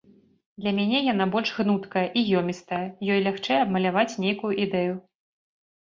Для мяне яна больш гнуткая і ёмістая, ёй лягчэй абмаляваць нейкую ідэю.